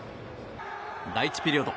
第１ピリオド。